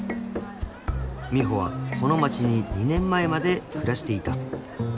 ［美帆はこの町に２年前まで暮らしていた］